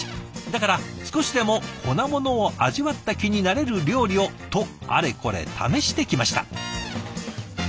だから「少しでも粉モノを味わった気になれる料理を」とあれこれ試してきました。